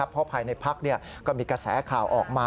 เพราะภายในพักก็มีกระแสข่าวออกมา